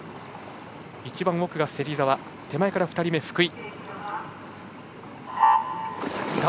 一番奥が芹澤手前から２人目、福井。